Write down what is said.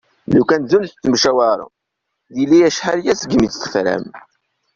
Lukan zun tettemcawarem, dili acḥal-aya segmi tt-tefram.